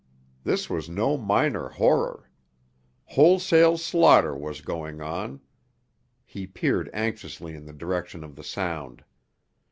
This was no minor horror. Wholesale slaughter was going on. He peered anxiously in the direction of the sound.